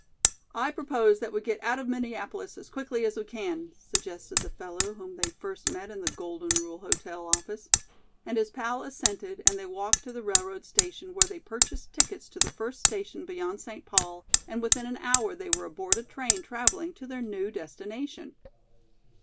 "I propose that we get out of Minneapolis as quickly as we can," suggested the fellow whom they first met in the "Golden Rule Hotel" office, and his pal assented and they walked to the railroad station where they purchased tickets to the first station beyond St. Paul and within an hour they were aboard a train traveling to their new destination.